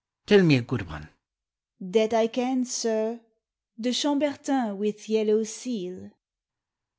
395 "Tell me a good one." "That I can, sir; The Chainbertiu with yellow seal."